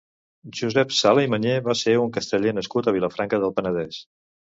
Josep Sala i Mañé va ser un casteller nascut a Vilafranca del Penedès.